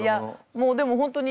もうでも本当に。